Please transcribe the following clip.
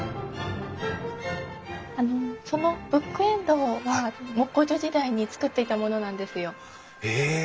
あのそのブックエンドは木工所時代に作っていたものなんですよ。へえ！